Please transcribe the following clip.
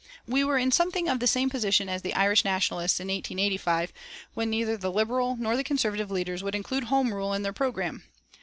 We were in something of the same position as the Irish Nationalists in 1885, when neither the Liberal nor the Conservative leaders would include home rule in their programme.